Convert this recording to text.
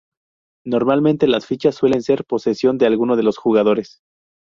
Normalmente, las fichas suelen ser posesión de alguno de los jugadores.